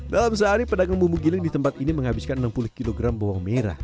dalam sehari pedagang bumbu giling di tempat ini menghabiskan enam puluh kg bawang merah